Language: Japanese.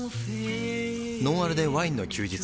「ノンアルでワインの休日」